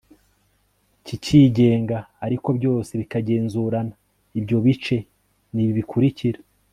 kikigenga, ariko byose bikagenzurana. ibyo bice ni ibi bikurikira